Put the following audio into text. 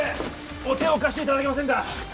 お手を貸していただけませんか？